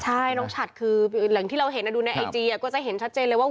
ใช่น้องฉัดคือแหล่งที่เราเห็นดูในไอจีก็จะเห็นชัดเจนเลยว่า